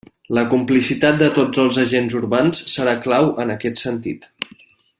La complicitat de tots els agents urbans serà clau en aquest sentit.